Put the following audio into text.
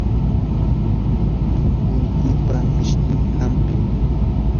urunquypa mishkin hampim.